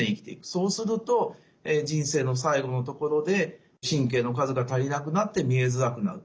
そうすると人生の最後のところで神経の数が足りなくなって見えづらくなる。